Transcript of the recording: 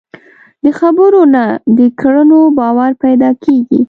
د خبرو نه، د کړنو باور پیدا کېږي.